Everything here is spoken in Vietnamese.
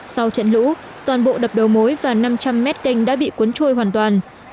sau trận lũ toàn bộ đập đầu mối và năm trăm linh mét canh đã bị cuốn trôi hoàn toàn